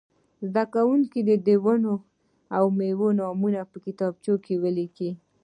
زده کوونکي دې د ونو او مېوو نومونه په کتابچه کې ولیکي.